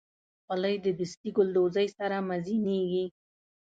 خولۍ د دستي ګلدوزۍ سره مزینېږي.